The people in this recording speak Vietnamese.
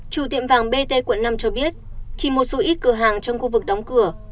chủ tiệm vàng bt quận năm cho biết chỉ một số ít cửa hàng trong khu vực đóng cửa